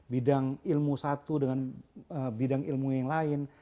bidang ilmu satu dengan bidang ilmu yang lain